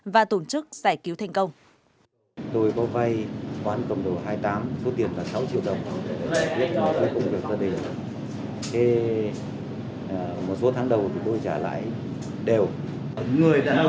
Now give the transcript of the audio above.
và tổn chức giải cứu thành công